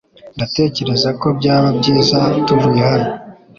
Ndatekereza ko byaba byiza tuvuye hano